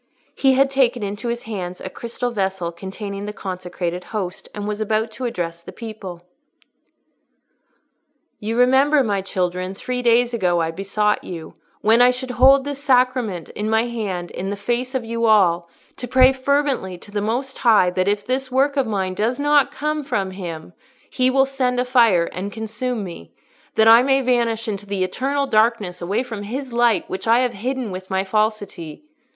He had taken into his hands a crystal vessel, containing the consecrated Host, and was about to address the people. "You remember, my children, three days ago I besought you, when I should hold this Sacrament in my hand in the face of you all, to pray fervently to the Most High that if this work of mine does not come from Him, He will send a fire and consume me, that I may vanish into the eternal darkness away from His light which I have hidden with my falsity.